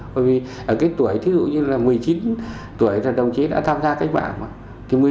bởi vì ở cái tuổi thí dụ như là một mươi chín tuổi là đồng chí đã tham gia cách mạng